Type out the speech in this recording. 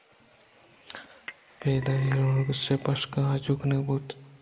پدا اینڈروکِلس بخشگءُ آجُو کنگ بُوت